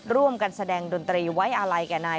ร่วมกันแสดงดนตรีไว้อะไรกับนาย